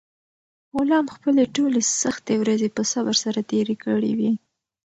غلام خپلې ټولې سختې ورځې په صبر سره تېرې کړې وې.